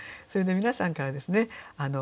それで皆さんからですね